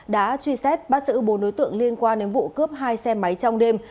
đã truy xét bắt giữ bốn đối tượng liên quan đến vụ cướp hai xe máy trong đêm